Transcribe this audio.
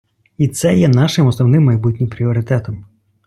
І це є нашим основним майбутнім пріоритетом.